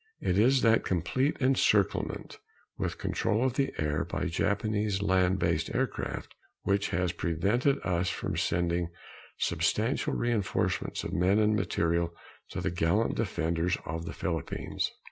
It is that complete encirclement, with control of the air by Japanese land based aircraft, which has prevented us from sending substantial reinforcements of men and material to the gallant defenders of the Philippines.